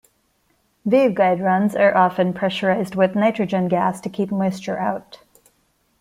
Waveguide runs are often pressurized with nitrogen gas to keep moisure out.